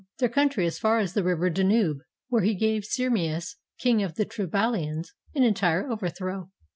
189 GREECE their country as far as the river Danube, where he gave Syrmus, King of the TribalHans, an entire overthrow.